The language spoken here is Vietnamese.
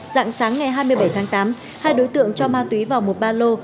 dạng sáng ngày hai mươi bảy tháng tám hai đối tượng cho ma túy vào một ba lô